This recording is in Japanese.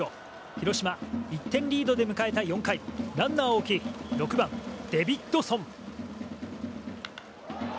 広島、１点リードで迎えた４回ランナーを置き６番、デビットソン。